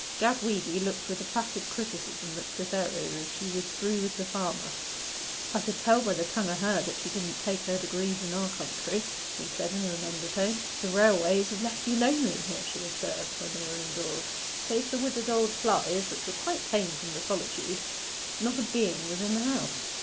Gad Weedy looked with a placid criticism at Cytherea as she withdrew with the farmer. 'I could tell by the tongue o' her that she didn't take her degrees in our county,' he said in an undertone. 'The railways have left you lonely here,' she observed, when they were indoors. Save the withered old flies, which were quite tame from the solitude, not a being was in the house.